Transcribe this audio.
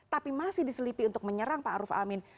tapi masih diselipi untuk menyerang pak aruf amin